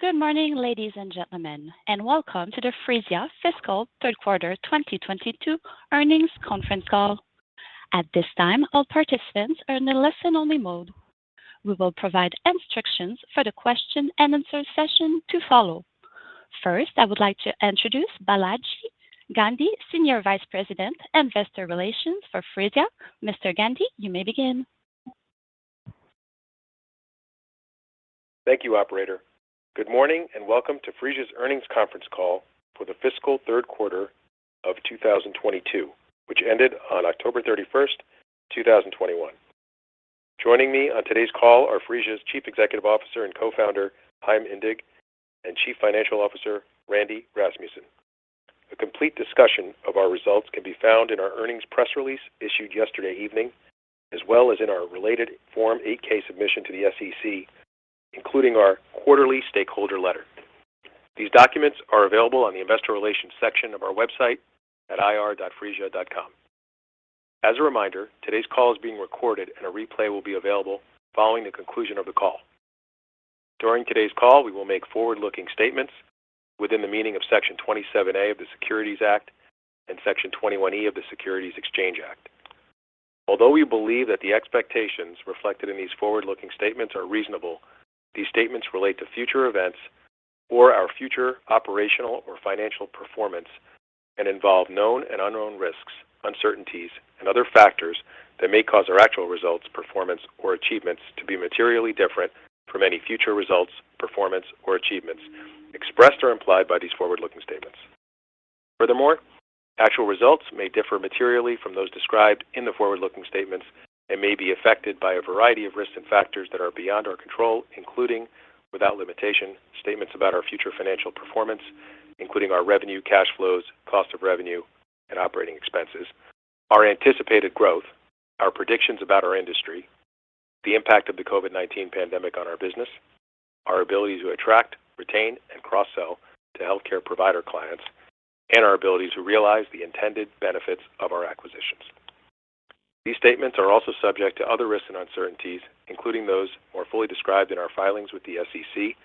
Good morning, ladies and gentlemen, and welcome to the Phreesia Fiscal Third Quarter 2022 Earnings Conference Call. At this time, all participants are in the listen-only mode. We will provide instructions for the question-and-answer session to follow. First, I would like to introduce Balaji Gandhi, Senior Vice President, Investor Relations for Phreesia. Mr. Gandhi, you may begin. Thank you, operator. Good morning, and welcome to Phreesia's earnings conference call for the fiscal third quarter of 2022, which ended on October 31, 2021. Joining me on today's call are Phreesia's Chief Executive Officer and Co-Founder, Chaim Indig, and Chief Financial Officer, Randy Rasmussen. A complete discussion of our results can be found in our earnings press release issued yesterday evening, as well as in our related Form 8-K submission to the SEC, including our quarterly stakeholder letter. These documents are available on the investor relations section of our website at ir.phreesia.com. As a reminder, today's call is being recorded and a replay will be available following the conclusion of the call. During today's call, we will make forward-looking statements within the meaning of Section 27A of the Securities Act and Section 21E of the Securities Exchange Act. Although we believe that the expectations reflected in these forward-looking statements are reasonable, these statements relate to future events or our future operational or financial performance and involve known and unknown risks, uncertainties, and other factors that may cause our actual results, performance, or achievements to be materially different from any future results, performance, or achievements expressed or implied by these forward-looking statements. Furthermore, actual results may differ materially from those described in the forward-looking statements and may be affected by a variety of risks and factors that are beyond our control, including, without limitation, statements about our future financial performance, including our revenue, cash flows, cost of revenue, and operating expenses, our anticipated growth, our predictions about our industry, the impact of the COVID-19 pandemic on our business, our ability to attract, retain, and cross-sell to healthcare provider clients, and our ability to realize the intended benefits of our acquisitions. These statements are also subject to other risks and uncertainties, including those more fully described in our filings with the SEC,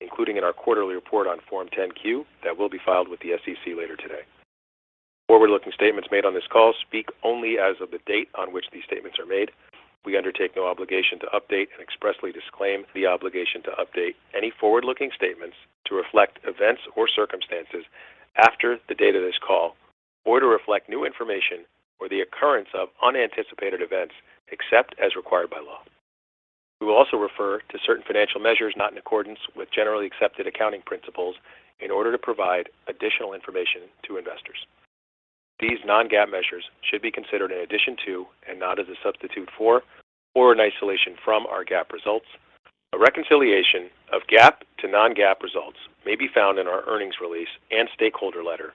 including in our quarterly report on Form 10-Q that will be filed with the SEC later today. Forward-looking statements made on this call speak only as of the date on which these statements are made. We undertake no obligation to update and expressly disclaim the obligation to update any forward-looking statements to reflect events or circumstances after the date of this call or to reflect new information or the occurrence of unanticipated events, except as required by law. We will also refer to certain financial measures not in accordance with generally accepted accounting principles in order to provide additional information to investors. These non-GAAP measures should be considered in addition to and not as a substitute for or an isolation from our GAAP results. A reconciliation of GAAP to non-GAAP results may be found in our earnings release and stakeholder letter,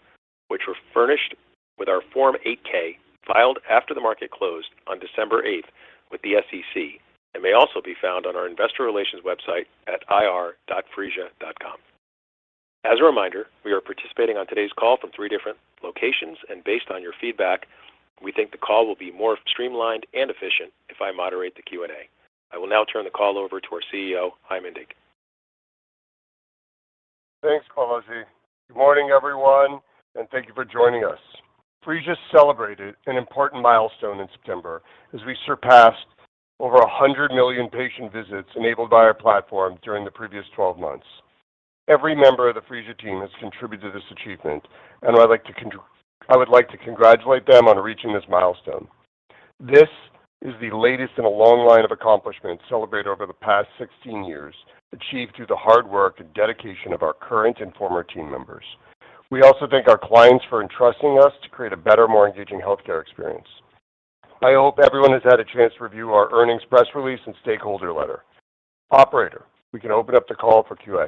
which were furnished with our Form 8-K filed after the market closed on December eighth with the SEC and may also be found on our Investor Relations website at ir.phreesia.com. As a reminder, we are participating on today's call from three different locations, and based on your feedback, we think the call will be more streamlined and efficient if I moderate the Q&A. I will now turn the call over to our CEO, Chaim Indig. Thanks, Balaji. Good morning, everyone, and thank you for joining us. Phreesia celebrated an important milestone in September as we surpassed over 100 million patient visits enabled by our platform during the previous 12 months. Every member of the Phreesia team has contributed to this achievement, and I would like to congratulate them on reaching this milestone. This is the latest in a long line of accomplishments celebrated over the past 16 years, achieved through the hard work and dedication of our current and former team members. We also thank our clients for entrusting us to create a better, more engaging healthcare experience. I hope everyone has had a chance to review our earnings press release and stakeholder letter. Operator, we can open up the call for Q&A.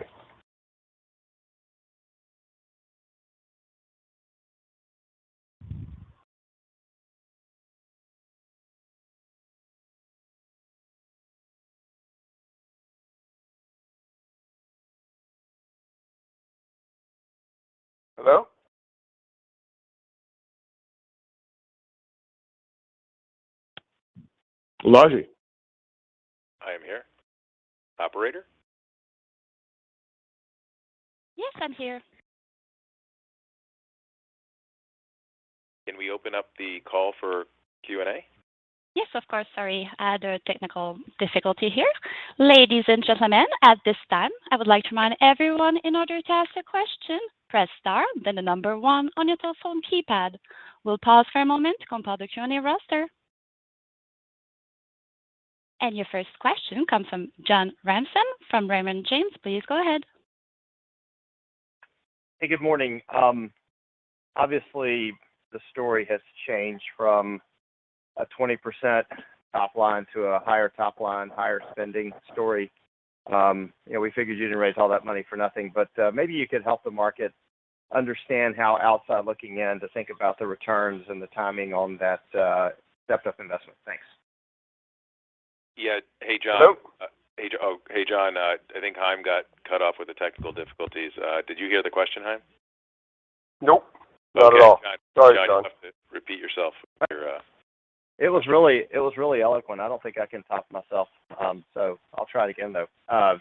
Hello? Balaji? I am here. Operator? Yes, I'm here. Can we open up the call for Q&A? Yes, of course. Sorry. I had a technical difficulty here. Ladies and gentlemen, at this time, I would like to remind everyone in order to ask a question, press star then the number one on your telephone keypad. We'll pause for a moment to compile the Q&A roster. Your first question comes from John Ransom from Raymond James. Please go ahead. Hey, good morning. Obviously the story has changed from a 20% top line to a higher top line, higher spending story. You know, we figured you didn't raise all that money for nothing, but maybe you could help the market understand how, outside looking in, to think about the returns and the timing on that stepped-up investment. Thanks. Yeah. Hey, John. So- Oh, hey, John. I think Chaim got cut off with the technical difficulties. Did you hear the question, Chaim? Nope, not at all. Sorry, John. Okay. John, you'll have to repeat yourself with your, It was really eloquent. I don't think I can top myself. I'll try it again, though.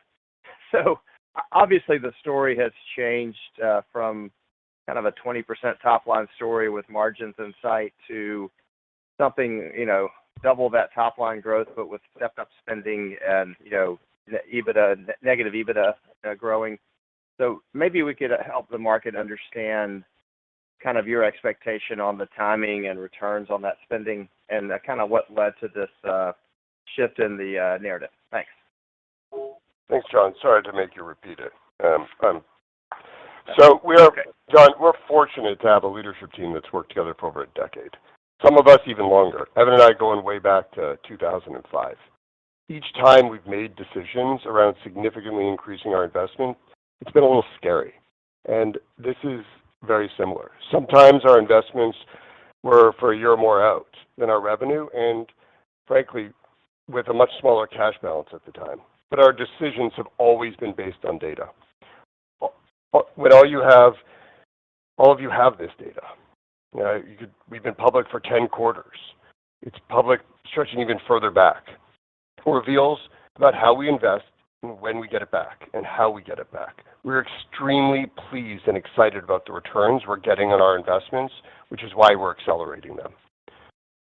Obviously the story has changed from kind of a 20% top-line story with margins in sight to something, you know, double that top-line growth but with stepped-up spending and, you know, the EBITDA, negative EBITDA, growing. Maybe we could help the market understand kind of your expectation on the timing and returns on that spending and kind of what led to this shift in the narrative. Thanks. Thanks, John. Sorry to make you repeat it. We're That's okay. John, we're fortunate to have a leadership team that's worked together for over a decade, some of us even longer. Evan and I going way back to 2005. Each time we've made decisions around significantly increasing our investment, it's been a little scary, and this is very similar. Sometimes our investments were for a year or more out than our revenue and, frankly, with a much smaller cash balance at the time, but our decisions have always been based on data. With all you have, all of you have this data. You know, we've been public for 10 quarters. It's public stretching even further back. It reveals about how we invest and when we get it back and how we get it back. We're extremely pleased and excited about the returns we're getting on our investments, which is why we're accelerating them.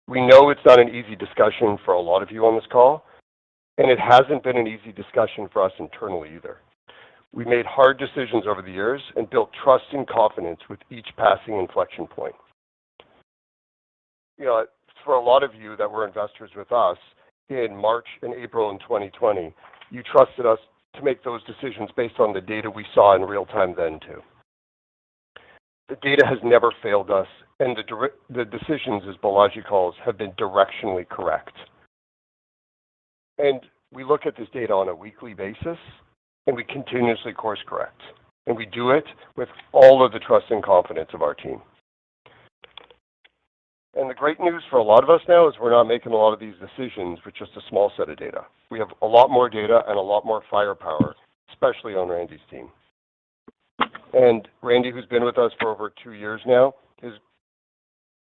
We know it's not an easy discussion for a lot of you on this call, and it hasn't been an easy discussion for us internally either. We made hard decisions over the years and built trust and confidence with each passing inflection point. You know, for a lot of you that were investors with us in March and April in 2020, you trusted us to make those decisions based on the data we saw in real time then too. The data has never failed us, and the decisions, as Balaji calls, have been directionally correct. We look at this data on a weekly basis, and we continuously course correct, and we do it with all of the trust and confidence of our team. The great news for a lot of us now is we're not making a lot of these decisions with just a small set of data. We have a lot more data and a lot more firepower, especially on Randy's team. Randy, who's been with us for over two years now, is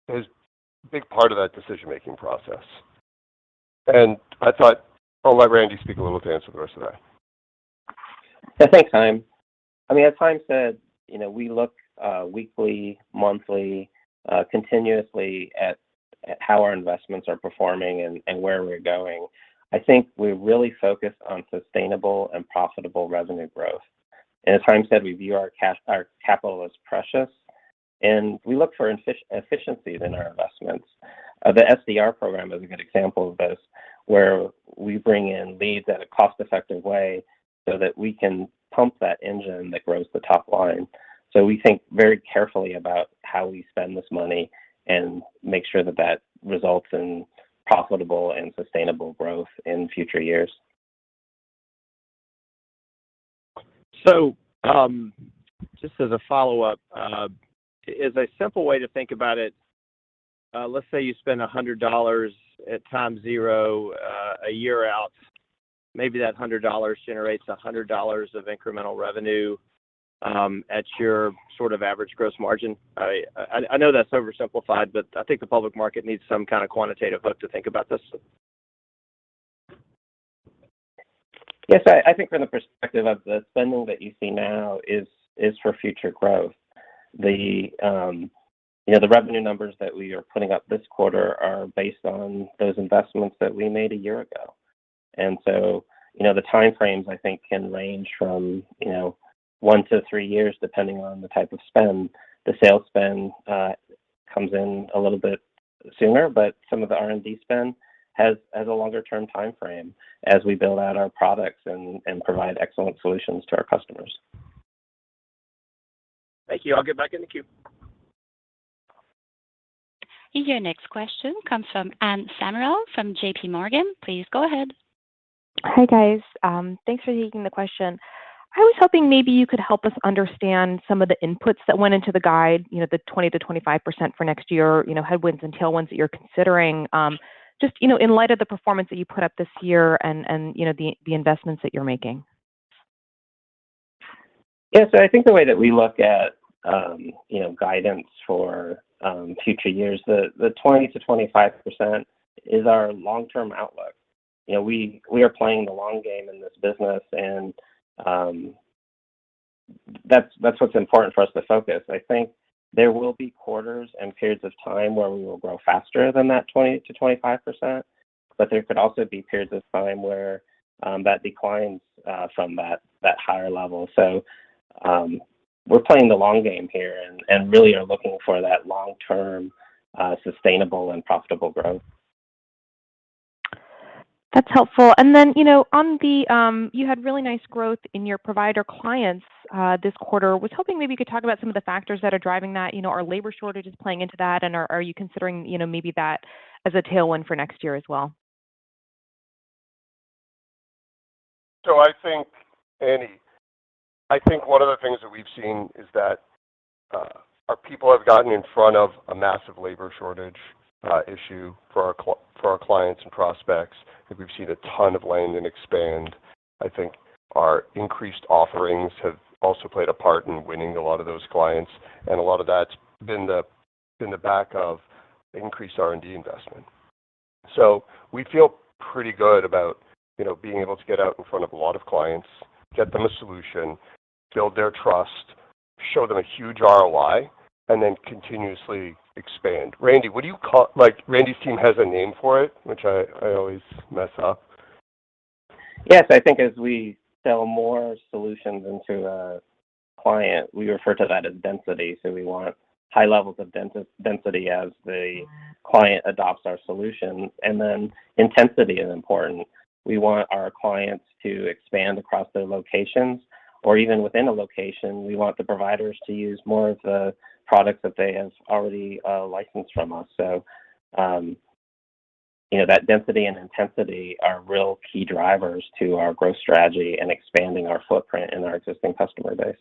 a big part of that decision-making process. I thought I'll let Randy speak a little to answer the rest of that. Yeah. Thanks, Chaim. I mean, as Chaim said, you know, we look weekly, monthly, continuously at how our investments are performing and where we're going. I think we're really focused on sustainable and profitable revenue growth. As Chaim said, we view our cash, our capital as precious, and we look for efficiency within our investments. The SDR program is a good example of this, where we bring in leads at a cost-effective way so that we can pump that engine that grows the top line. We think very carefully about how we spend this money and make sure that that results in profitable and sustainable growth in future years. Just as a follow-up, as a simple way to think about it, let's say you spend $100 at time zero, a year out. Maybe that $100 generates $100 of incremental revenue, at your sort of average gross margin. I know that's oversimplified, but I think the public market needs some kind of quantitative hook to think about this. Yes. I think from the perspective of the spending that you see now is for future growth. You know, the revenue numbers that we are putting up this quarter are based on those investments that we made a year ago. You know, the time frames, I think, can range from one to three years, depending on the type of spend. The sales spend comes in a little bit sooner, but some of the R&D spend has a longer-term time frame as we build out our products and provide excellent solutions to our customers. Thank you. I'll get back in the queue. Your next question comes from Anne Samuel from JPMorgan. Please go ahead. Hi, guys. Thanks for taking the question. I was hoping maybe you could help us understand some of the inputs that went into the guide, you know, the 20%-25% for next year, you know, headwinds and tailwinds that you're considering, just, you know, in light of the performance that you put up this year and, you know, the investments that you're making. Yeah. I think the way that we look at, you know, guidance for, future years, the 20%-25% is our long-term outlook. You know, we are playing the long game in this business, and that's what's important for us to focus. I think there will be quarters and periods of time where we will grow faster than that 20%-25%, but there could also be periods of time where that declines from that higher level. We're playing the long game here and really are looking for that long-term sustainable and profitable growth. That's helpful. Then, you know, on the, you had really nice growth in your provider clients this quarter. Was hoping maybe you could talk about some of the factors that are driving that. You know, are labor shortages playing into that, and are you considering, you know, maybe that as a tailwind for next year as well? I think, Annie, one of the things that we've seen is that our people have gotten in front of a massive labor shortage issue for our clients and prospects, and we've seen a ton of land and expand. I think our increased offerings have also played a part in winning a lot of those clients, and a lot of that's been the back of increased R&D investment. We feel pretty good about, you know, being able to get out in front of a lot of clients, get them a solution, build their trust, show them a huge ROI, and then continuously expand. Randy, what do you call it. Like, Randy's team has a name for it, which I always mess up. Yes. I think as we sell more solutions into a client, we refer to that as density. We want high levels of density as the client adopts our solutions. Intensity is important. We want our clients to expand across their locations, or even within a location, we want the providers to use more of the products that they have already licensed from us. You know, that density and intensity are real key drivers to our growth strategy and expanding our footprint in our existing customer base.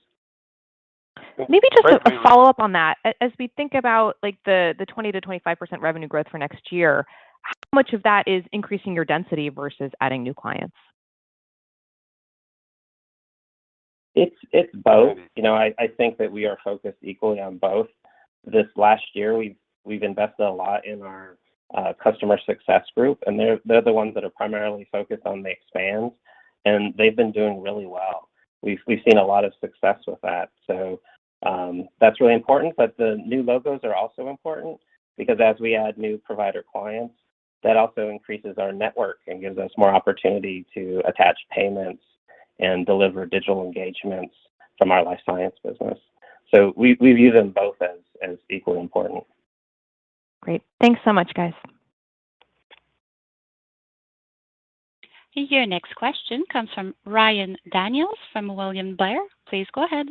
Maybe just a follow-up on that. As we think about, like, the 20%-25% revenue growth for next year, how much of that is increasing your density versus adding new clients? It's both. You know, I think that we are focused equally on both. This last year, we've invested a lot in our customer success group, and they're the ones that are primarily focused on the expansion, and they've been doing really well. We've seen a lot of success with that. So, that's really important, but the new logos are also important because as we add new provider clients, that also increases our network and gives us more opportunity to attach payments and deliver digital engagements from our life science business. So we view them both as equally important. Great. Thanks so much, guys. Your next question comes from Ryan Daniels from William Blair. Please go ahead.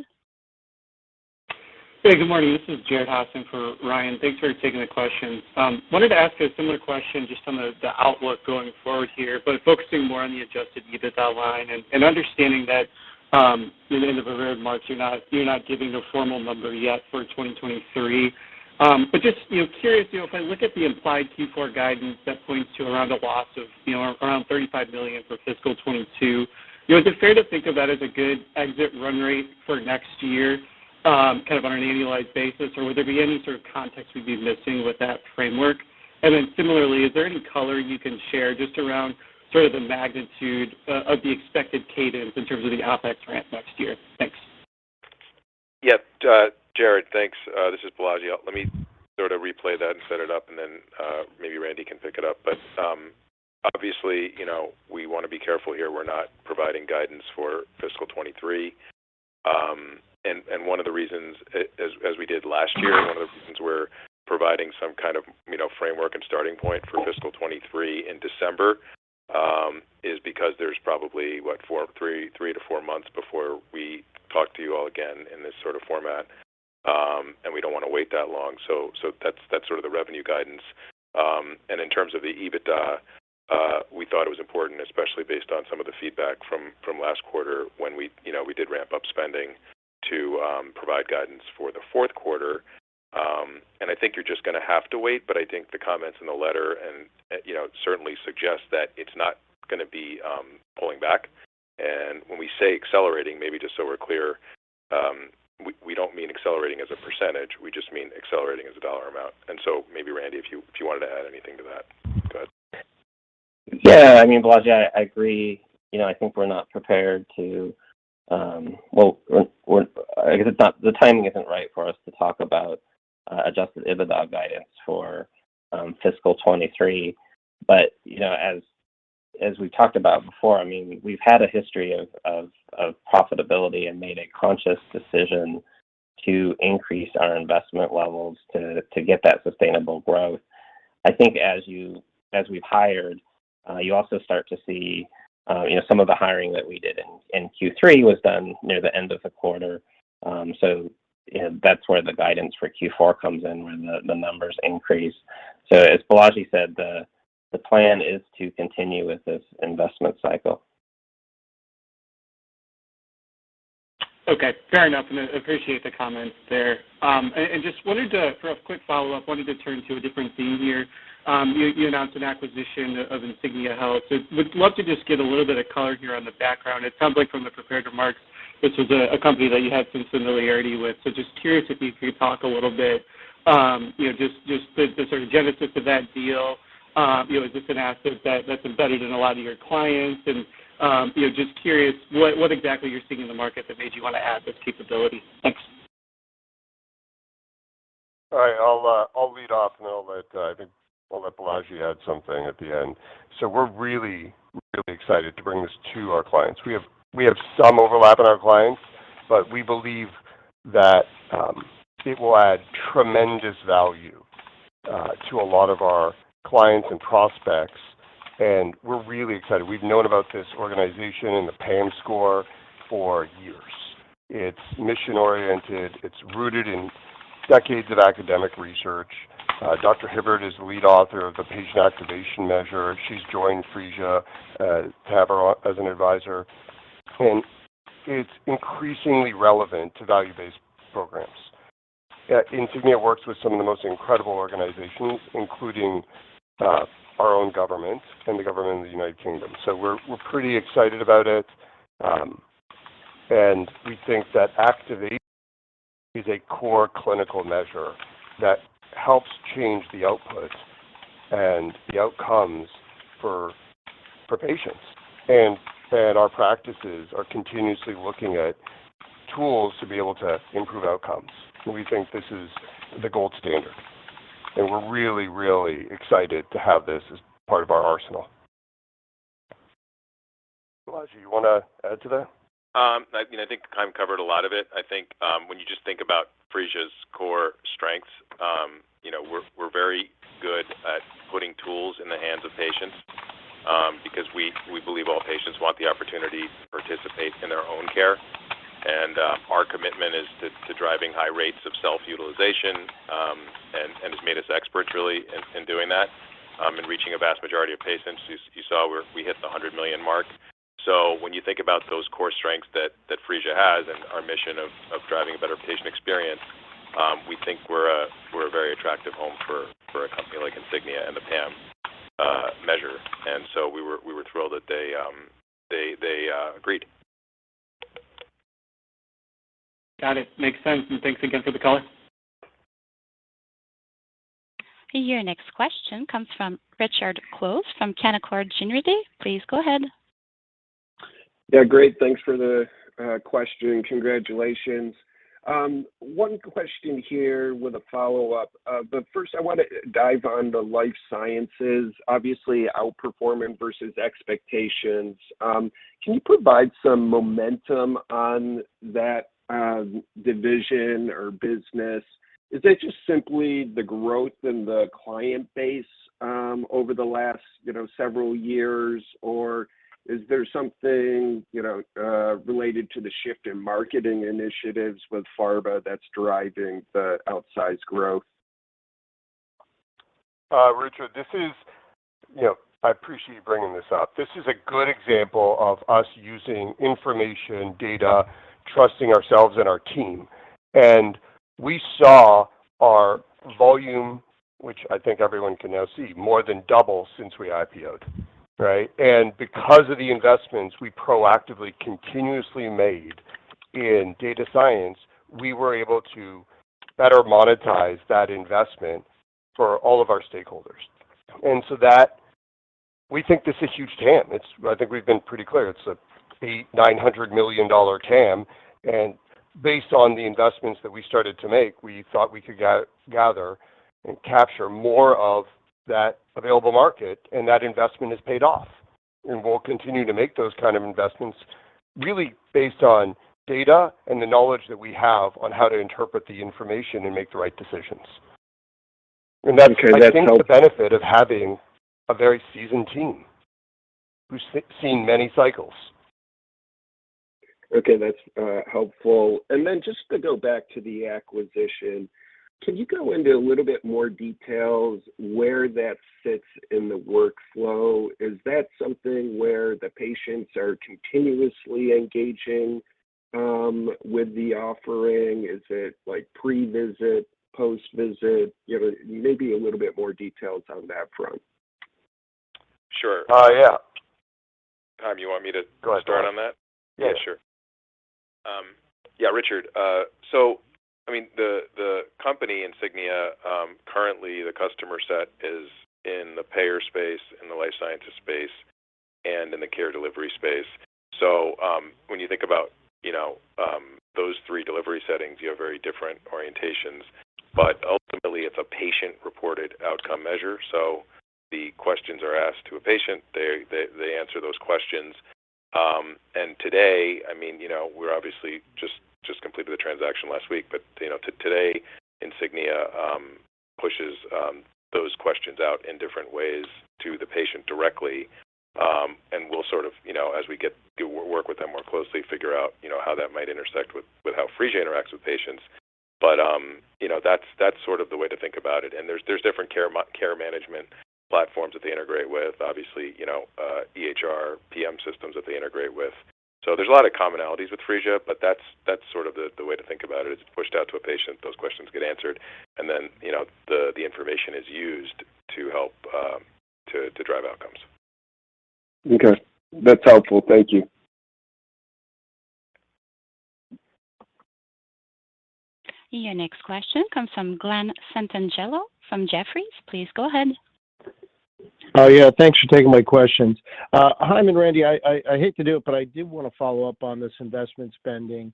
Hey, good morning. This is Jared Haase for Ryan. Thanks for taking the questions. Wanted to ask a similar question, just on the outlook going forward here, but focusing more on the adjusted EBITDA line and understanding that, near the end of March, you're not giving a formal number yet for 2023. But just, you know, curious, you know, if I look at the implied Q4 guidance that points to around a loss of, you know, around $35 million for fiscal 2022, you know, is it fair to think of that as a good exit run rate for next year, kind of on an annualized basis, or would there be any sort of context we'd be missing with that framework? Similarly, is there any color you can share just around sort of the magnitude of the expected cadence in terms of the OpEx ramp next year? Thanks. Jared, thanks. This is Balaji. Let me sort of replay that and set it up, and then maybe Randy can pick it up. Obviously, you know, we wanna be careful here. We're not providing guidance for fiscal 2023. And one of the reasons, as we did last year, one of the reasons we're providing some kind of, you know, framework and starting point for fiscal 2023 in December, is because there's probably three to four months before we talk to you all again in this sort of format, and we don't wanna wait that long. So that's sort of the revenue guidance. In terms of the EBITDA, we thought it was important, especially based on some of the feedback from last quarter when we, you know, we did ramp up spending to provide guidance for the fourth quarter. I think you're just gonna have to wait, but I think the comments in the letter and, you know, certainly suggest that it's not gonna be pulling back. When we say accelerating, maybe just so we're clear, we don't mean accelerating as a percentage. We just mean accelerating as a dollar amount. Maybe Randy, if you wanted to add anything to that, go ahead. Yeah. I mean, Balaji, I agree. You know, I think we're not prepared to. Well, I guess the timing isn't right for us to talk about adjusted EBITDA guidance for fiscal 2023. But, you know, as we've talked about before, I mean, we've had a history of profitability and made a conscious decision to increase our investment levels to get that sustainable growth. I think as we've hired, you also start to see, you know, some of the hiring that we did in Q3 was done near the end of the quarter. So, you know, that's where the guidance for Q4 comes in, when the numbers increase. So as Balaji said, the plan is to continue with this investment cycle. Okay. Fair enough, and I appreciate the comments there. Just wanted to, for a quick follow-up, wanted to turn to a different theme here. You announced an acquisition of Insignia Health. Would love to just get a little bit of color here on the background. It sounds like from the prepared remarks, this is a company that you have some familiarity with. Just curious if you could talk a little bit, you know, just the sort of genesis of that deal. You know, is this an asset that's embedded in a lot of your clients? You know, just curious what exactly you're seeing in the market that made you wanna add this capability. Thanks. All right. I'll lead off, and then I think we'll let Balaji add something at the end. We're really excited to bring this to our clients. We have some overlap in our clients, but we believe that it will add tremendous value to a lot of our clients and prospects, and we're really excited. We've known about this organization and the PAM score for years. It's mission-oriented. It's rooted in decades of academic research. Dr. Hibbard is the lead author of the Patient Activation Measure. She's joined Phreesia to have her on as an advisor. It's increasingly relevant to value-based programs. Insignia works with some of the most incredible organizations, including our own government and the government of the United Kingdom. We're pretty excited about it, and we think that activation is a core clinical measure that helps change the output and the outcomes for patients and that our practices are continuously looking at tools to be able to improve outcomes. We think this is the gold standard, and we're really excited to have this as part of our arsenal. Balaji, you wanna add to that? You know, I think Chaim covered a lot of it. I think when you just think about Phreesia's core strengths, you know, we're very good at putting tools in the hands of patients, because we believe all patients want the opportunity to participate in their own care. Our commitment is to driving high rates of self-utilization, and has made us experts really in doing that. In reaching a vast majority of patients, you saw we hit the 100 million mark. When you think about those core strengths that Phreesia has and our mission of driving a better patient experience, we think we're a very attractive home for a company like Insignia and the PAM measure. We were thrilled that they agreed. Got it. Makes sense, and thanks again for the color. Your next question comes from Richard Close from Canaccord Genuity. Please go ahead. Yeah, great. Thanks for the question. Congratulations. One question here with a follow-up. First, I wanna dive on the life sciences. Obviously, outperforming versus expectations. Can you provide some momentum on that division or business? Is it just simply the growth in the client base over the last, you know, several years? Or is there something, you know, related to the shift in marketing initiatives with pharma that's driving the outsized growth? Richard, you know, I appreciate you bringing this up. This is a good example of us using information, data, trusting ourselves and our team. We saw our volume, which I think everyone can now see, more than double since we IPO'd, right? Because of the investments we proactively continuously made in data science, we were able to better monetize that investment for all of our stakeholders. We think this is huge TAM. I think we've been pretty clear. It's an $800-$900 million TAM. Based on the investments that we started to make, we thought we could gather and capture more of that available market, and that investment has paid off. We'll continue to make those kind of investments really based on data and the knowledge that we have on how to interpret the information and make the right decisions. That's Okay. I think the benefit of having a very seasoned team who's seen many cycles. Okay, that's helpful. Just to go back to the acquisition, can you go into a little bit more details where that fits in the workflow? Is that something where the patients are continuously engaging with the offering? Is it like pre-visit, post-visit? You know, maybe a little bit more details on that front. Sure. Yeah. Chaim, you want me to- Go ahead. start on that? Yeah. Sure. Yeah, Richard, so I mean, the company Insignia currently the customer set is in the payer space, in the life sciences space, and in the care delivery space. When you think about, you know, those three delivery settings, you have very different orientations. Ultimately, it's a patient-reported outcome measure. The questions are asked to a patient. They answer those questions. Today, I mean, you know, we're obviously just completed the transaction last week. You know, today, Insignia pushes those questions out in different ways to the patient directly. We'll sort of, you know, as we do work with them more closely, figure out, you know, how that might intersect with how Phreesia interacts with patients. You know, that's sort of the way to think about it. There's different care management platforms that they integrate with. Obviously, you know, EHR, PM systems that they integrate with. There's a lot of commonalities with Phreesia, but that's sort of the way to think about it. It's pushed out to a patient, those questions get answered, and then, you know, the information is used to help to drive outcomes. Okay. That's helpful. Thank you. Your next question comes from Glen Santangelo from Jefferies. Please go ahead. Yeah. Thanks for taking my questions. Chaim and Randy, I hate to do it, but I did want to follow up on this investment spending.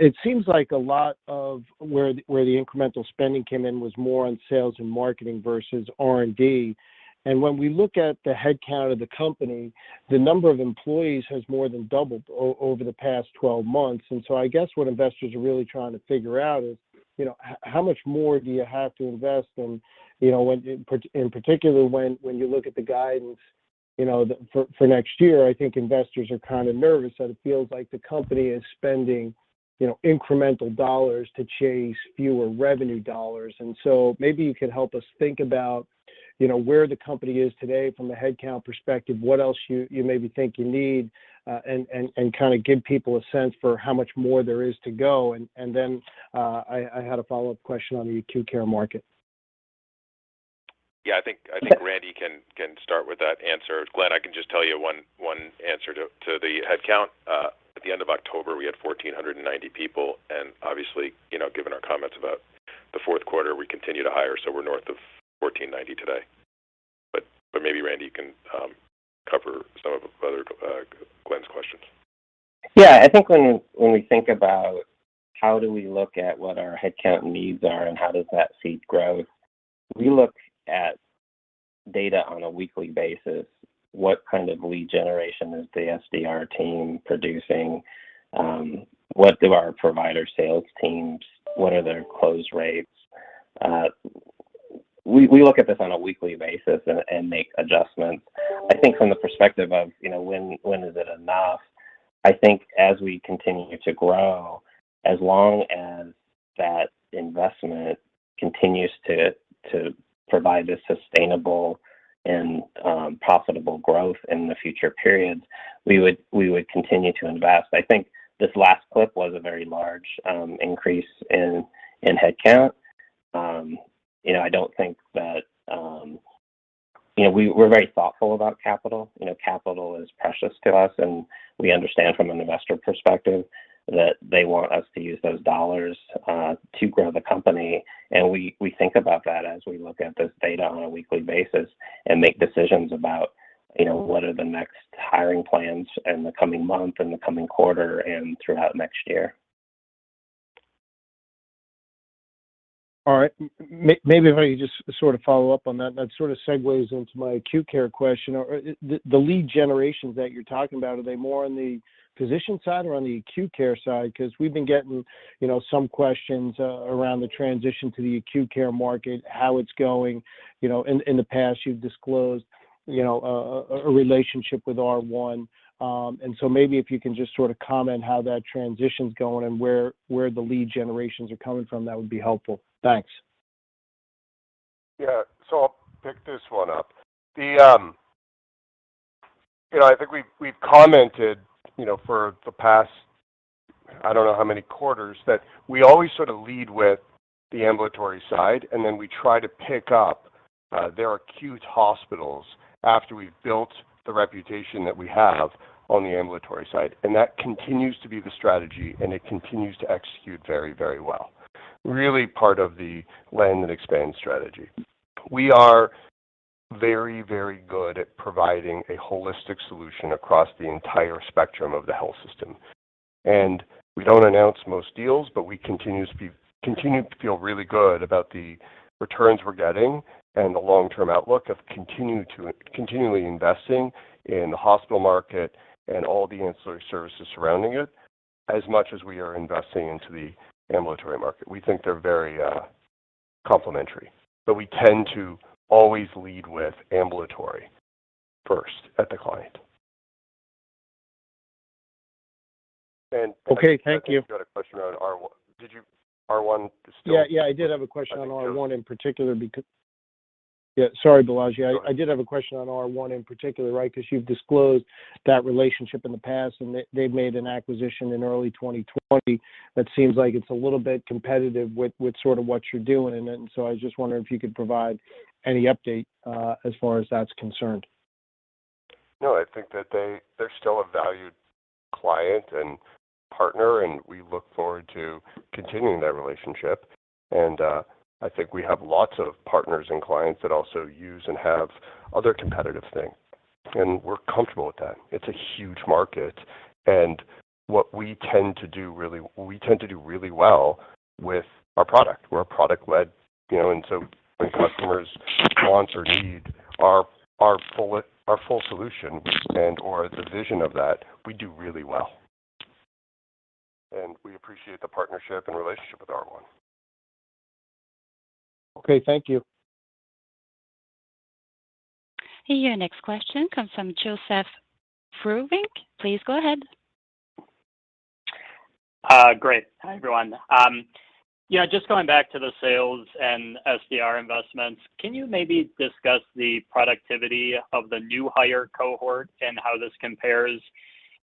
It seems like a lot of where the incremental spending came in was more on sales and marketing versus R&D. When we look at the headcount of the company, the number of employees has more than doubled over the past 12 months. I guess what investors are really trying to figure out is, you know, how much more do you have to invest? You know, in particular, when you look at the guidance, you know, for next year, I think investors are kind of nervous that it feels like the company is spending, you know, incremental dollars to chase fewer revenue dollars. Maybe you could help us think about you know, where the company is today from a headcount perspective, what else you maybe think you need, and kind of give people a sense for how much more there is to go. Then I had a follow-up question on the acute care market. Yeah, I think Randy can start with that answer. Glenn, I can just tell you one answer to the headcount. At the end of October, we had 1,490 people, and obviously, you know, given our comments about the fourth quarter, we continue to hire, so we're north of 1,490 today. Maybe Randy can cover some of the other Glenn's questions. I think when we think about how do we look at what our headcount needs are and how does that seed growth, we look at data on a weekly basis, what kind of lead generation is the SDR team producing, what do our provider sales teams, what are their close rates? We look at this on a weekly basis and make adjustments. I think from the perspective of, you know, when is it enough, I think as we continue to grow, as long as that investment continues to provide this sustainable and profitable growth in the future periods, we would continue to invest. I think this last clip was a very large increase in headcount. You know, I don't think that. You know, we're very thoughtful about capital. You know, capital is precious to us, and we understand from an investor perspective that they want us to use those dollars to grow the company. We think about that as we look at this data on a weekly basis and make decisions about, you know, what are the next hiring plans in the coming month, in the coming quarter, and throughout next year. All right. Maybe if I could just sort of follow up on that sort of segues into my acute care question. The lead generations that you're talking about, are they more on the physician side or on the acute care side? 'Cause we've been getting, you know, some questions around the transition to the acute care market, how it's going. You know, in the past, you've disclosed, you know, a relationship with R1. Maybe if you can just sort of comment how that transition's going and where the lead generations are coming from, that would be helpful. Thanks. Yeah. I'll pick this one up. You know, I think we've commented for the past, I don't know how many quarters, that we always sort of lead with the ambulatory side, and then we try to pick up their acute hospitals after we've built the reputation that we have on the ambulatory side. That continues to be the strategy, and it continues to execute very, very well. Really part of the land and expand strategy. We are very, very good at providing a holistic solution across the entire spectrum of the health system. We don't announce most deals, but we continue to feel really good about the returns we're getting and the long-term outlook of continually investing in the hospital market and all the ancillary services surrounding it as much as we are investing into the ambulatory market. We think they're very complementary. But we tend to always lead with ambulatory first at the client. Okay. Thank you. I think you had a question on R1. R1 is still Sorry, Balaji. I did have a question on R1 in particular, right? 'Cause you've disclosed that relationship in the past, and they've made an acquisition in early 2020 that seems like it's a little bit competitive with sort of what you're doing. I was just wondering if you could provide any update as far as that's concerned. No, I think that they're still a valued client and partner, and we look forward to continuing that relationship. I think we have lots of partners and clients that also use and have other competitive things, and we're comfortable with that. It's a huge market, and what we tend to do really well with our product. We're a product-led, you know, and so when customers want or need our full solution and/or the vision of that, we do really well. We appreciate the partnership and relationship with R1. Okay. Thank you. Your next question comes from Joe Vruwink. Please go ahead. Great. Hi, everyone. You know, just going back to the sales and SDR investments, can you maybe discuss the productivity of the new hire cohort and how this compares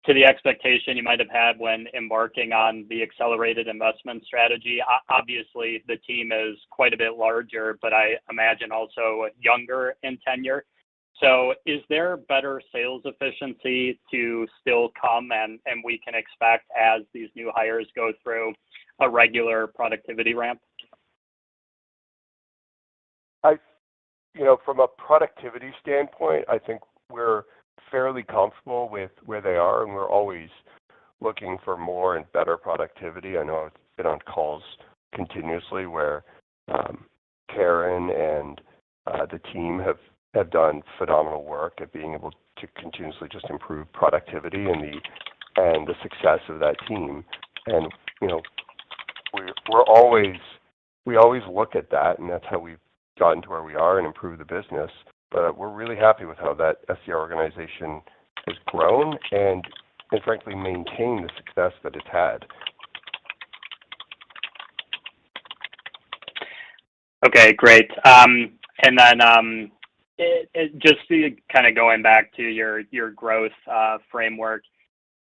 to the expectation you might have had when embarking on the accelerated investment strategy? Obviously, the team is quite a bit larger, but I imagine also younger in tenure. Is there better sales efficiency to still come and we can expect as these new hires go through a regular productivity ramp? You know, from a productivity standpoint, I think we're fairly comfortable with where they are, and we're always looking for more and better productivity. I know I've been on calls continuously where Karen and the team have done phenomenal work at being able to continuously just improve productivity and the success of that team. You know, we always look at that, and that's how we've gotten to where we are and improved the business. We're really happy with how that SDR organization has grown and frankly maintained the success that it's had. Okay, great. Just to kind of going back to your growth framework,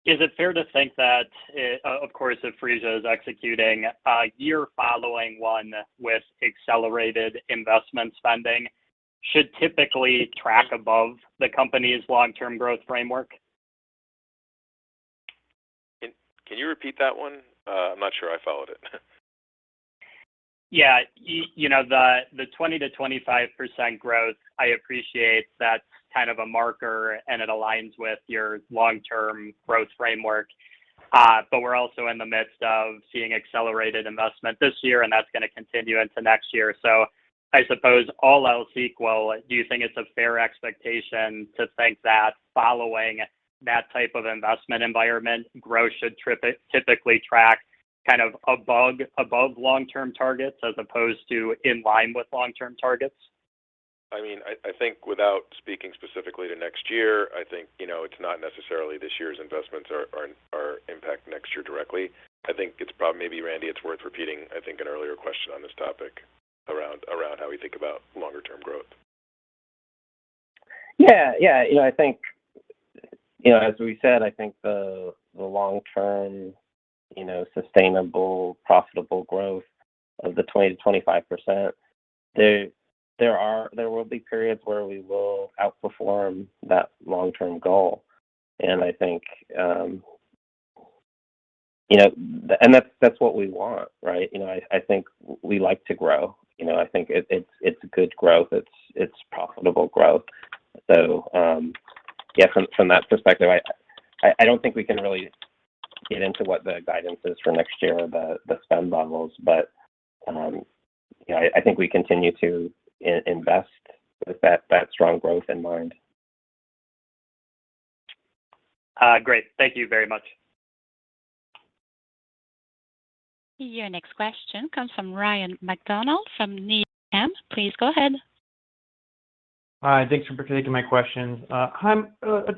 is it fair to think that, of course, if Phreesia is executing a year following one with accelerated investment spending should typically track above the company's long-term growth framework? Can you repeat that one? I'm not sure I followed it. You know, the 20%-25% growth, I appreciate that's kind of a marker, and it aligns with your long-term growth framework. We're also in the midst of seeing accelerated investment this year, and that's gonna continue into next year. I suppose all else equal, do you think it's a fair expectation to think that following that type of investment environment growth should typically track kind of above long-term targets as opposed to in line with long-term targets? I mean, I think without speaking specifically to next year, I think, you know, it's not necessarily this year's investments are impact next year directly. I think it's probably, maybe Randy, it's worth repeating, I think an earlier question on this topic around how we think about longer term growth. Yeah. Yeah. You know, I think, you know, as we said, I think the long-term, you know, sustainable, profitable growth of 20%-25%, there will be periods where we will outperform that long-term goal. I think, you know, that's what we want, right? You know, I think we like to grow. You know, I think it's good growth. It's profitable growth. Yeah, from that perspective, I don't think we can really get into what the guidance is for next year or the spend levels. You know, I think we continue to invest with that strong growth in mind. Great. Thank you very much. Your next question comes from Ryan MacDonald from Needham. Please go ahead. Hi, thanks for taking my question.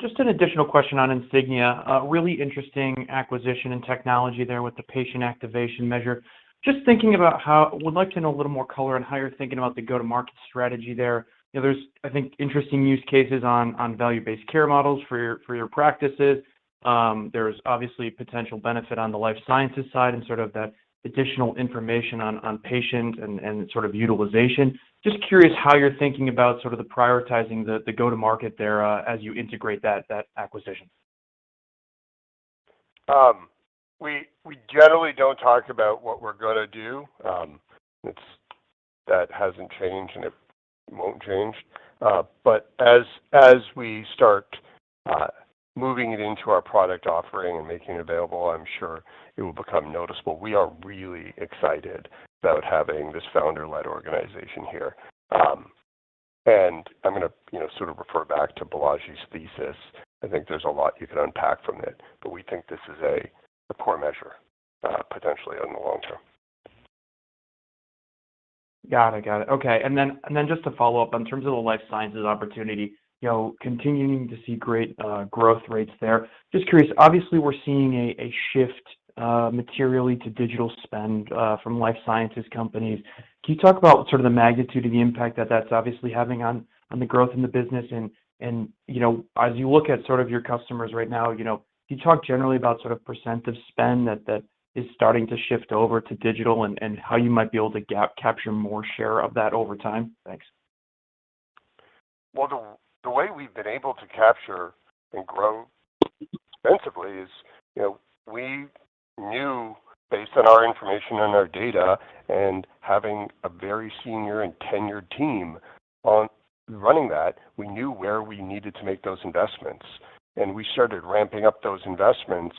Just an additional question on Insignia. A really interesting acquisition and technology there with the patient activation measure. I would like to know a little more color on how you're thinking about the go-to-market strategy there. You know, there's, I think, interesting use cases on value-based care models for your practices. There's obviously potential benefit on the life sciences side and sort of that additional information on patient and sort of utilization. Just curious how you're thinking about sort of prioritizing the go-to-market there, as you integrate that acquisition. We generally don't talk about what we're gonna do. It's that hasn't changed, and it won't change. As we start moving it into our product offering and making it available, I'm sure it will become noticeable. We are really excited about having this founder-led organization here. I'm gonna, you know, sort of refer back to Balaji's thesis. I think there's a lot you can unpack from it, but we think this is a core measure, potentially in the long term. Got it. Okay. Just to follow up, in terms of the life sciences opportunity, you know, continuing to see great growth rates there. Just curious, obviously, we're seeing a shift materially to digital spend from life sciences companies. Can you talk about sort of the magnitude of the impact that that's obviously having on the growth in the business? You know, as you look at sort of your customers right now, you know, can you talk generally about sort of percent of spend that is starting to shift over to digital and how you might be able to gain-capture more share of that over time? Thanks. Well, the way we've been able to capture and grow extensively is, you know, we knew based on our information and our data and having a very senior and tenured team on running that, we knew where we needed to make those investments. We started ramping up those investments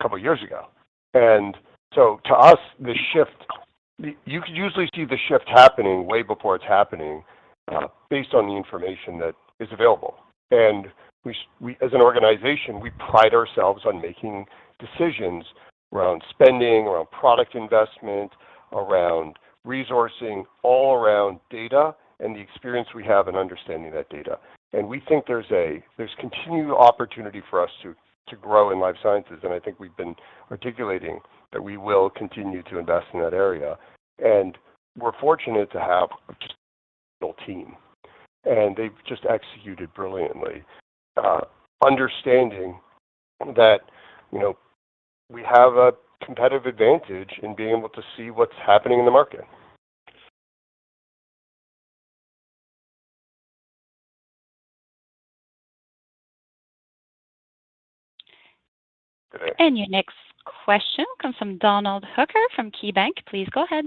a couple of years ago. To us, the shift, you can usually see the shift happening way before it's happening, based on the information that is available. We, as an organization, pride ourselves on making decisions around spending, around product investment, around resourcing, all around data and the experience we have in understanding that data. We think there's continued opportunity for us to grow in life sciences. I think we've been articulating that we will continue to invest in that area. We're fortunate to have just a real team, and they've just executed brilliantly, understanding that, you know, we have a competitive advantage in being able to see what's happening in the market. Your next question comes from Donald Hooker from KeyBanc. Please go ahead.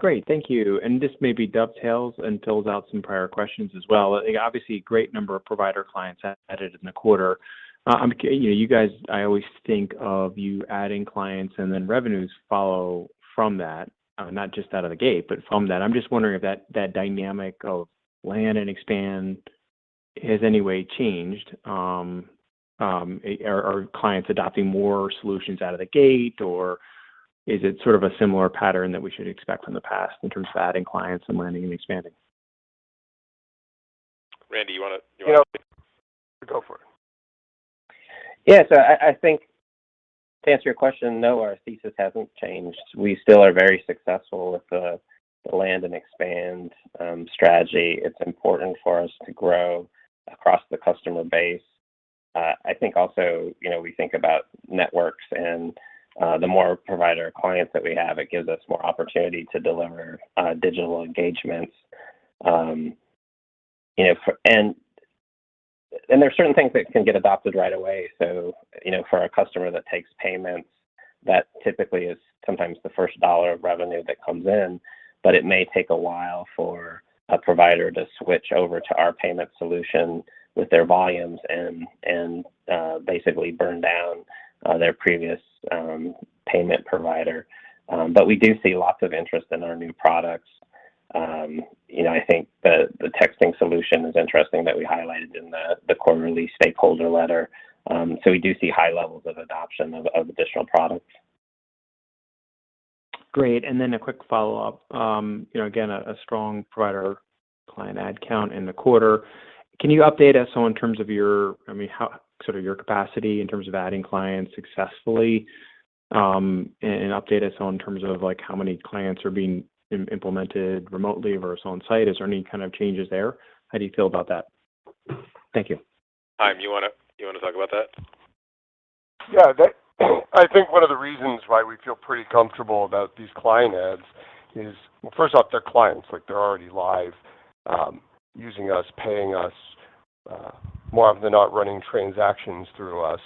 Great. Thank you. This maybe dovetails and fills out some prior questions as well. Obviously, a great number of provider clients added in the quarter. You know, you guys, I always think of you adding clients and then revenues follow from that, not just out of the gate, but from that. I'm just wondering if that dynamic of land and expand has any way changed. Are clients adopting more solutions out of the gate, or is it sort of a similar pattern that we should expect from the past in terms of adding clients and landing and expanding? Randy, you wanna Go for it. I think to answer your question, no, our thesis hasn't changed. We still are very successful with the land and expand strategy. It's important for us to grow across the customer base. I think also, you know, we think about networks and the more provider clients that we have, it gives us more opportunity to deliver digital engagements. There are certain things that can get adopted right away. You know, for a customer that takes payments, that typically is sometimes the first dollar of revenue that comes in, but it may take a while for a provider to switch over to our payment solution with their volumes and basically burn down their previous payment provider. But we do see lots of interest in our new products. You know, I think the texting solution is interesting that we highlighted in the quarterly stakeholder letter. We do see high levels of adoption of additional products. Great. A quick follow-up. You know, again, a strong provider client add count in the quarter. Can you update us in terms of your capacity in terms of adding clients successfully, and update us in terms of like how many clients are being implemented remotely versus on site? Is there any kind of changes there? How do you feel about that? Thank you. Chaim, you wanna talk about that? Yeah. That I think one of the reasons why we feel pretty comfortable about these client adds is first off, they're clients, like they're already live, using us, paying us, more often than not running transactions through us.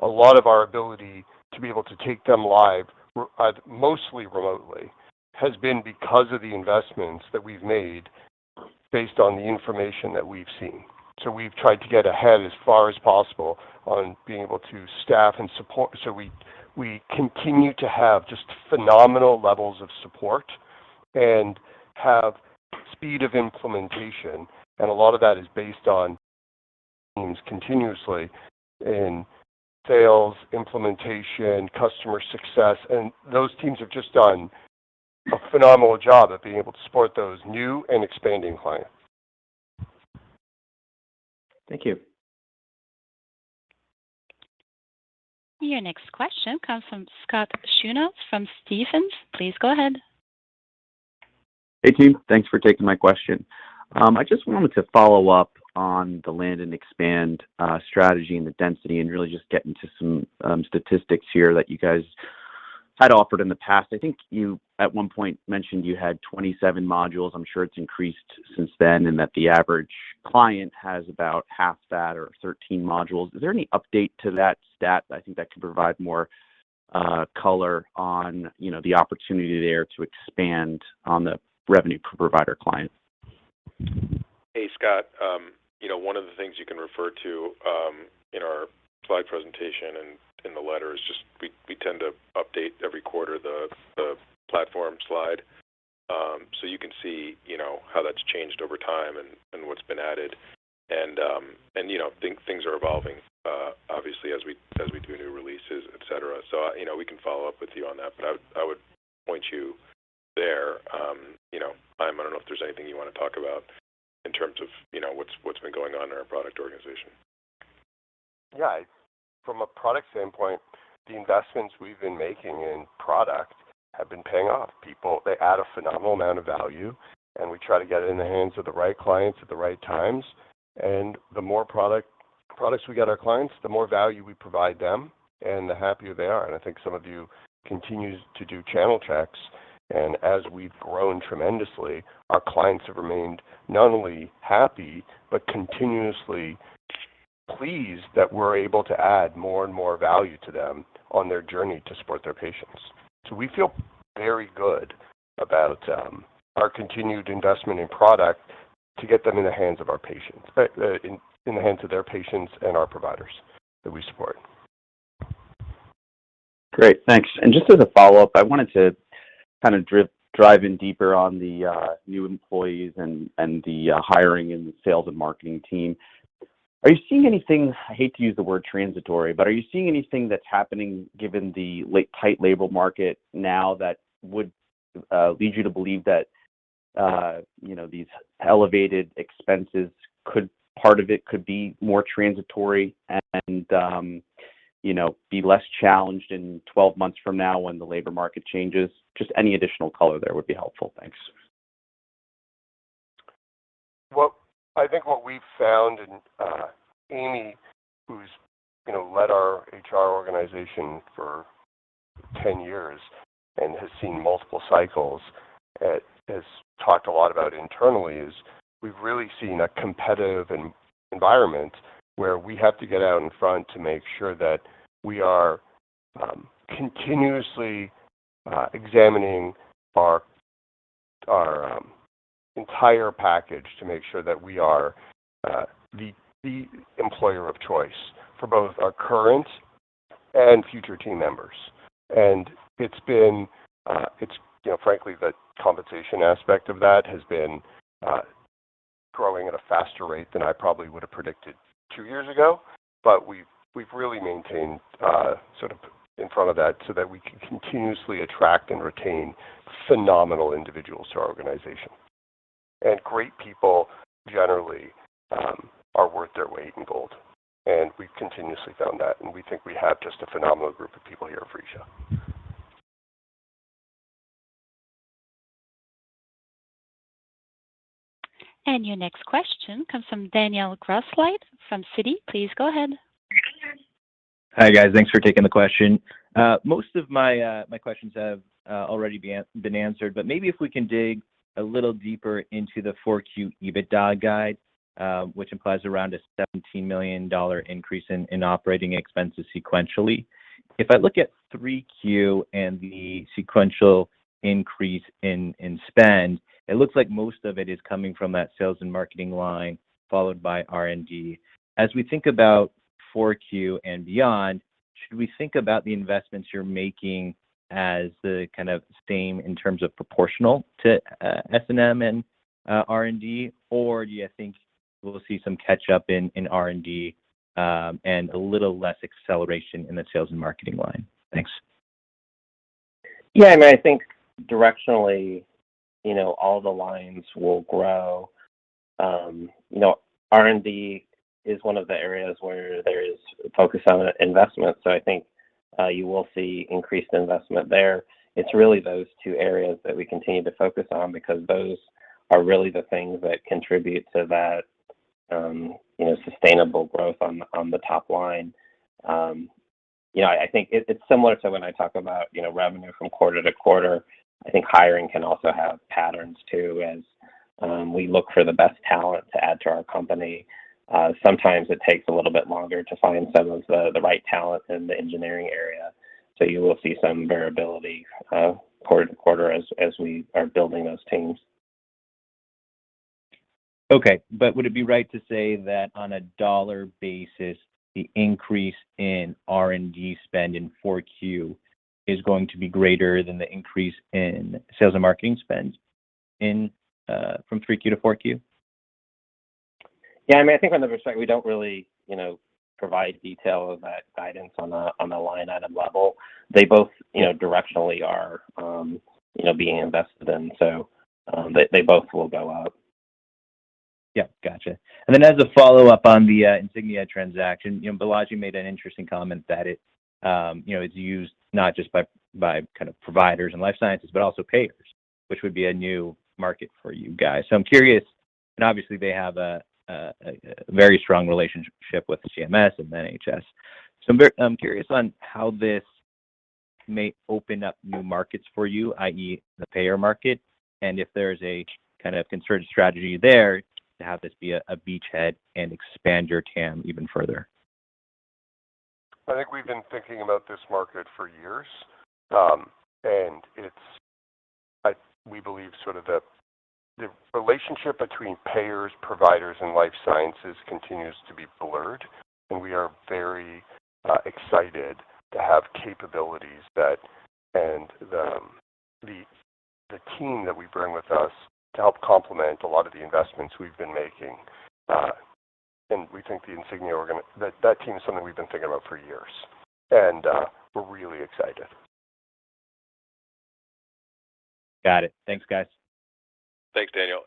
A lot of our ability to be able to take them live mostly remotely has been because of the investments that we've made based on the information that we've seen. We've tried to get ahead as far as possible on being able to staff and support. We continue to have just phenomenal levels of support and have speed of implementation. A lot of that is based on teams continuously in sales, implementation, customer success, and those teams have just done a phenomenal job at being able to support those new and expanding clients. Thank you. Your next question comes from Scott Schoenhaus from Stephens. Please go ahead. Hey, team. Thanks for taking my question. I just wanted to follow up on the land and expand strategy and the density and really just get into some statistics here that you guys had offered in the past. I think you at one point mentioned you had 27 modules. I'm sure it's increased since then, and that the average client has about half that or 13 modules. Is there any update to that stat? I think that could provide more color on, you know, the opportunity there to expand on the revenue per provider client. Hey, Scott. You know, one of the things you can refer to in our slide presentation and in the letter is just we tend to update every quarter the platform slide. So you can see, you know, how that's changed over time and what's been added. You know, things are evolving obviously as we do new releases, et cetera. So you know, we can follow up with you on that. But I would point you there. You know, Chaim, I don't know if there's anything you wanna talk about in terms of you know, what's been going on in our product organization. Yeah. From a product standpoint, the investments we've been making in product have been paying off. They add a phenomenal amount of value, and we try to get it in the hands of the right clients at the right times. The more products we get to our clients, the more value we provide them and the happier they are. I think some of you continue to do channel checks. As we've grown tremendously, our clients have remained not only happy, but continuously pleased that we're able to add more and more value to them on their journey to support their patients. We feel very good about our continued investment in product to get them in the hands of their patients and our providers that we support. Great. Thanks. Just as a follow-up, I wanted to kind of drive in deeper on the new employees and the hiring and the sales and marketing team. Are you seeing anything? I hate to use the word transitory, but are you seeing anything that's happening given the tight labor market now that would lead you to believe that, you know, these elevated expenses could, part of it could be more transitory and, you know, be less challenged in 12 months from now when the labor market changes? Just any additional color there would be helpful. Thanks. Well, I think what we've found, and Amy, who's, you know, led our HR organization for 10 years and has seen multiple cycles, has talked a lot about internally, is we've really seen a competitive environment where we have to get out in front to make sure that we are continuously examining our entire package to make sure that we are the employer of choice for both our current and future team members. It's been, you know, frankly, the compensation aspect of that has been growing at a faster rate than I probably would have predicted two years ago. We've really maintained sort of in front of that so that we can continuously attract and retain phenomenal individuals to our organization. Great people generally are worth their weight in gold. We've continuously found that, and we think we have just a phenomenal group of people here at Phreesia. Your next question comes from Daniel Grosslight from Citi. Please go ahead. Hi, guys. Thanks for taking the question. Most of my questions have already been answered, but maybe if we can dig a little deeper into the Q4 EBITDA guide, which implies around a $17 million increase in operating expenses sequentially. If I look at Q3 and the sequential increase in spend, it looks like most of it is coming from that sales and marketing line, followed by R&D. As we think about Q4 and beyond, should we think about the investments you're making as the kind of same in terms of proportional to S&M and R&D? Or do you think we'll see some catch-up in R&D and a little less acceleration in the sales and marketing line? Thanks. Yeah. I mean, I think directionally, you know, all the lines will grow. You know, R&D is one of the areas where there is focus on investment. So I think you will see increased investment there. It's really those two areas that we continue to focus on because those are really the things that contribute to that, you know, sustainable growth on the top line. You know, I think it's similar to when I talk about, you know, revenue from quarter to quarter. I think hiring can also have patterns too as we look for the best talent to add to our company. Sometimes it takes a little bit longer to find some of the right talent in the engineering area. So you will see some variability, quarter to quarter as we are building those teams. Okay. Would it be right to say that on a dollar basis, the increase in R&D spend in Q4 is going to be greater than the increase in sales and marketing spends in from Q3 to Q4? Yeah. I mean, I think in that respect, we don't really, you know, provide detail of that guidance on a line item level. They both, you know, directionally are, you know, being invested in. They both will go up. Yeah. Gotcha. Then as a follow-up on the Insignia transaction, you know, Balaji Gandhi made an interesting comment that it, you know, is used not just by kind of providers in life sciences, but also payers, which would be a new market for you guys. I'm curious, and obviously they have a very strong relationship with CMS and NHS. I'm curious on how this may open up new markets for you, i.e., the payer market, and if there's a kind of concerted strategy there to have this be a beachhead and expand your TAM even further. I think we've been thinking about this market for years. We believe sort of the relationship between payers, providers, and life sciences continues to be blurred, and we are very excited to have capabilities that and the team that we bring with us to help complement a lot of the investments we've been making. We think that team is something we've been thinking about for years. We're really excited. Got it. Thanks, guys. Thanks, Daniel.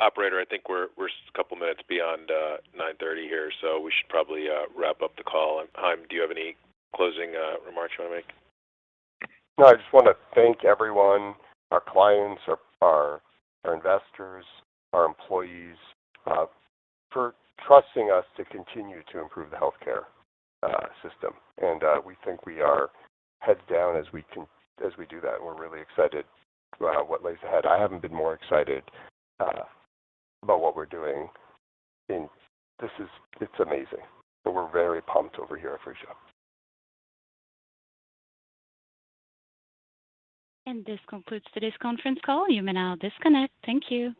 Operator, I think we're just a couple of minutes beyond 9:30 A.M. here, so we should probably wrap up the call. Chaim, do you have any closing remarks you wanna make? No, I just wanna thank everyone, our clients, our investors, our employees for trusting us to continue to improve the healthcare system. We think we are heads down as we do that. We're really excited about what lies ahead. I haven't been more excited about what we're doing. This is amazing. So we're very pumped over here at Phreesia. This concludes today's conference call. You may now disconnect. Thank you.